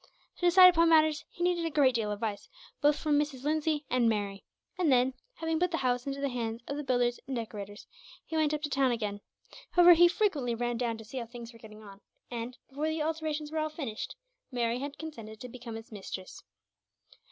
To decide upon matters, he needed a great deal of advice, both from Mrs. Lindsay and Mary; and then, having put the house into the hands of the builders and decorators, he went up to town again. However, he frequently ran down to see how things were getting on and, before the alterations were all finished, Mary had consented to become its mistress.